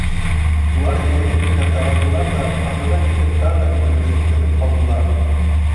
Улар иренеп кенә таралдылар ҙа, арыраҡ китеп, тағы өйкө-лөшөп, тынып ҡалдылар.